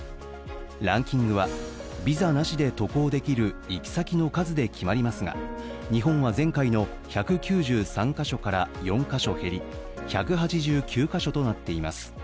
ランキングは、ビザなしで渡航できる行き先の数で決まりますが、日本は前回の１９３か所から４か所減り１８９か所となっています。